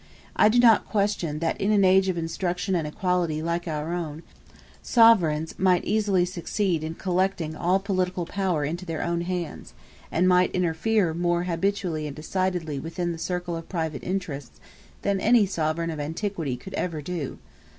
I do not question, that in an age of instruction and equality like our own, sovereigns might more easily succeed in collecting all political power into their own hands, and might interfere more habitually and decidedly within the circle of private interests, than any sovereign of antiquity could ever do.